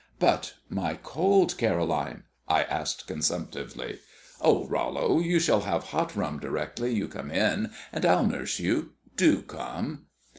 "But my cold, Caroline?" I asked consumptively. "Oh, Rollo, you shall have hot rum directly you come in, and I'll nurse you. Do come."